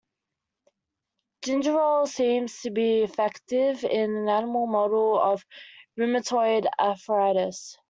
Gingerol seems to be effective in an animal model of rheumatoid arthritis.